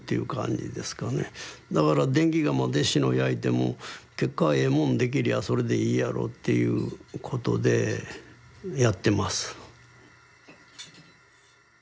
だから電気窯で志野焼いても結果ええもんできりゃあそれでいいやろっていうことでやってます。